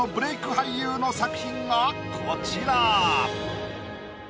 俳優の作品がこちら。